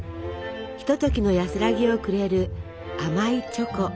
ひとときの安らぎをくれる甘いチョコ。